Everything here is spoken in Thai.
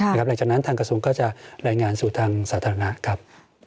หลังจากนั้นทางกระทรวงก็จะรายงานสู่ทางสาธารณะครับ